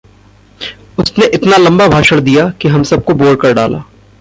उसने इतना लम्बा भाषण दिया कि हम सब को बोर कर डाला।